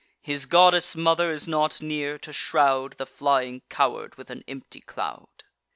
His goddess mother is not near, to shroud The flying coward with an empty cloud."